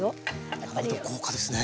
なかなか豪華ですね。